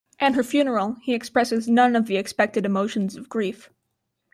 At her funeral, he expresses none of the expected emotions of grief.